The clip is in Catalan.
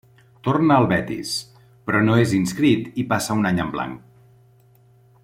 Torna al Betis, però no és inscrit i passa un any en blanc.